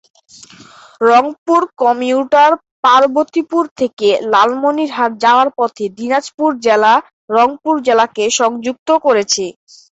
Rangpur commuter Parbatipur থেকে লালমনিরহাট যাওয়ার পথে দিনাজপুর জেলা, রংপুর জেলাকে সংযুক্ত করেছে।